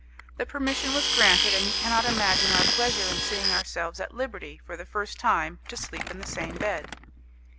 The permission was granted, and you cannot imagine our pleasure in seeing ourselves at liberty, for the first time, to sleep in the same bed.